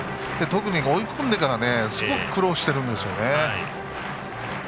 特に、追い込んでからすごく苦労しているんですよね。